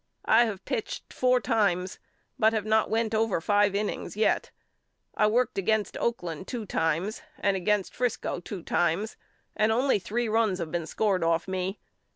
I have pitched four times but have not went over five innings yet. I worked against Oakland two times and against Frisco two times and only three runs have been scored off me.